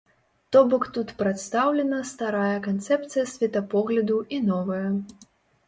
То бок тут прадстаўлена старая канцэпцыя светапогляду і новая.